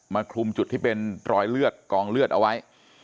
คลุมจุดที่เป็นรอยเลือดกองเลือดเอาไว้